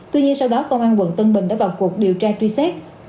tuy nhiên sau đó công an quận tân bình đã vào cuộc điều tra truy xét